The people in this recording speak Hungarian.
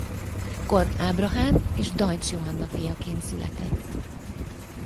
Kohn Ábrahám és Deuts Johanna fiaként született.